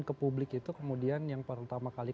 ke publik itu kemudian yang pertama kali